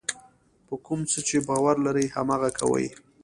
په کوم څه چې باور لرئ هماغه کوئ.